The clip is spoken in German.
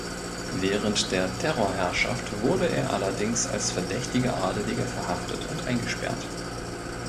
Während der Terrorherrschaft wurde er allerdings als "verdächtiger Adeliger" verhaftet und eingesperrt.